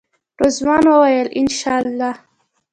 رضوان وویل انشاالله.